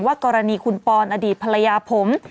กรณีคุณปอนอดีตภรรยาผม